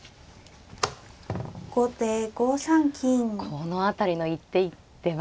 この辺りの一手一手は。